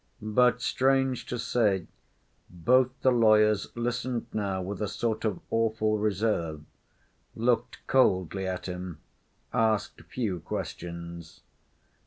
But, strange to say, both the lawyers listened now with a sort of awful reserve, looked coldly at him, asked few questions.